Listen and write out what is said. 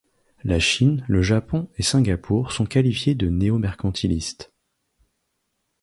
La Chine, le Japon et Singapour sont qualifiées de néomercantilistes.